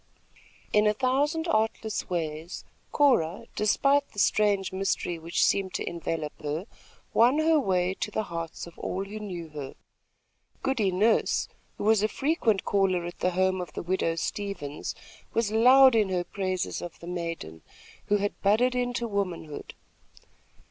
In a thousand artless ways, Cora, despite the strange mystery which seemed to envelop her, won her way to the hearts of all who knew her. Goody Nurse, who was a frequent caller at the home of the widow Stevens, was loud in her praises of the maiden, who had budded into womanhood.